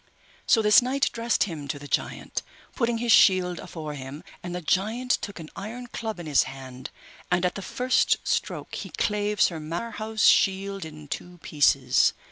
So this knight dressed him to the giant, putting his shield afore him, and the giant took an iron club in his hand, and at the first stroke he clave Sir Marhaus' shield in two pieces.